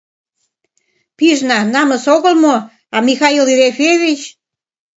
Пижна, намыс огыл мо, а, Михаил Ерофеевич?